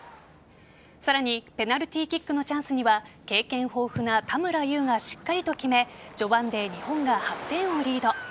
さらにペナルティキックのチャンスには経験豊富な田村優がしっかりと決め序盤で日本が８点をリード。